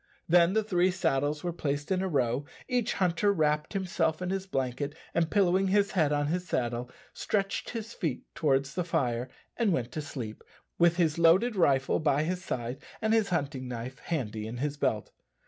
Then the three saddles were placed in a row; each hunter wrapped himself in his blanket, and pillowing his head on his saddle, stretched his feet towards the fire and went to sleep, with his loaded rifle by his side and his hunting knife handy in his belt.